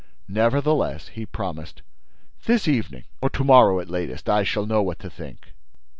Nevertheless, he promised: "This evening—or to morrow at latest, I shall know what to think."